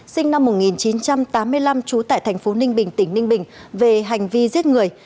sinh năm một nghìn chín trăm tám mươi năm trú tại thành phố ninh bình tỉnh ninh bình về hành vi giết người